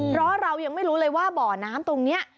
เพราะเรายังไม่รู้เลยว่าบ่อน้ำตรงนี้